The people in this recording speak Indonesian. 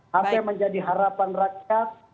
hanya menjadi harapan rakyat